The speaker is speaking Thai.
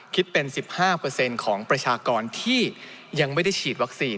คิดเป็น๑๕ของประชากรที่ยังไม่ได้ฉีดวัคซีน